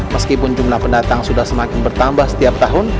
meskipun jumlah pendatang sudah semakin bertambah setiap tahun